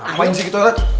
ngapain sih di toilet